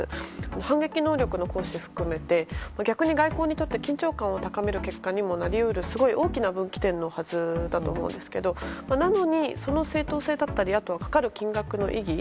反撃能力も含めて逆に外交にとって緊張感を高める結果にもなり得るすごい大きな分岐点のはずだと思うんですけどなのに、その正当性やかかる金額の意義